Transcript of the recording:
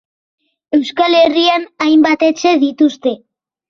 Euskal Herrian hainbat etxe dituzte.